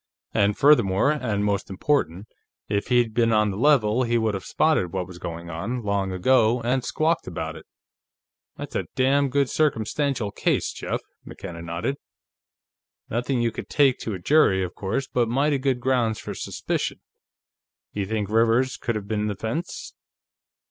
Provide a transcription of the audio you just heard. And furthermore, and most important, if he'd been on the level, he would have spotted what was going on, long ago, and squawked about it." "That's a damn good circumstantial case, Jeff," McKenna nodded. "Nothing you could take to a jury, of course, but mighty good grounds for suspicion.... You think Rivers could have been the fence?"